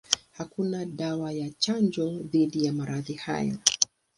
Hakuna dawa ya chanjo dhidi ya maradhi hayo.